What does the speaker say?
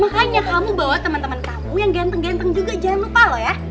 makanya kamu bawa temen temen kamu yang ganteng ganteng juga jangan lupa loh ya